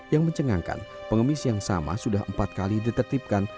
yang mencengangkan pengemis yang sama sudah empat kali ditertipkan